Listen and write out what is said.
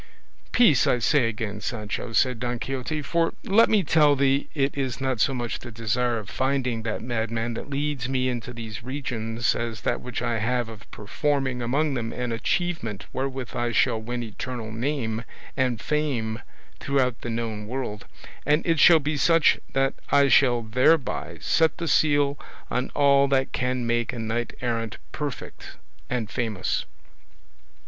"Peace, I say again, Sancho," said Don Quixote, "for let me tell thee it is not so much the desire of finding that madman that leads me into these regions as that which I have of performing among them an achievement wherewith I shall win eternal name and fame throughout the known world; and it shall be such that I shall thereby set the seal on all that can make a knight errant perfect and famous."